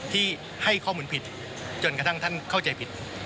ที่ให้ข้อมูลผิดจนกระทั่งท่านเข้าใจผิด